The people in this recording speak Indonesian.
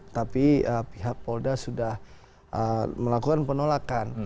tapi pihak polda sudah melakukan penolakan